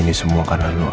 ini semua karena lo